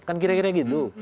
kan kira kira gitu